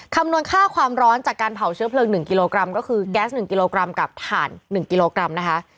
คำนวณค่าความร้อนจากการเผาเชื้อเพลิง๑กิโลกรัมก็คือแก๊ส๑กิโลกรัมกับถ่าน๑กิโลกรัมนะคะ